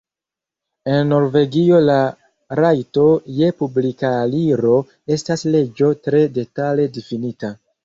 En Norvegio la rajto je publika aliro estas leĝo tre detale difinita.